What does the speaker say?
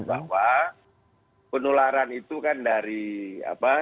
bahwa penularan itu kan dari apa